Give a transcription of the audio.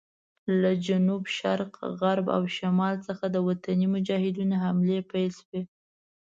له جنوب شرق، غرب او شمال څخه د وطني مجاهدینو حملې پیل شوې.